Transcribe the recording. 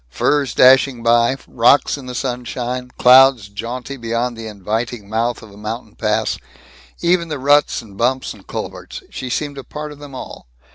Firs dashing by rocks in the sunshine clouds jaunty beyond the inviting mouth of a mountain pass even the ruts and bumps and culverts she seemed a part of them all.